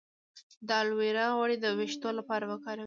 د الوویرا غوړي د ویښتو لپاره وکاروئ